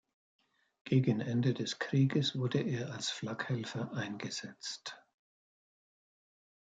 Gegen Ende des Krieges wurde er als Flakhelfer eingesetzt.